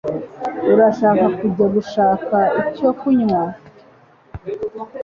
Urashaka kujya gushaka icyo kunywa?